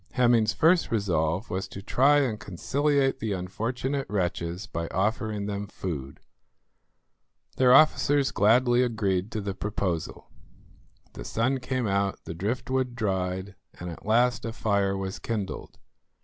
Hemming's first resolve was to try and conciliate the unfortunate wretches by offering them food. Their officers gladly agreed to the proposal. The sun came out, the driftwood dried, and at last a fire was kindled.